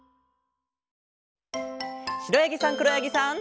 しろやぎさんくろやぎさん。